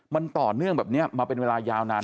มันต่อเนื่องแบบนี้มาเป็นเวลายาวนาน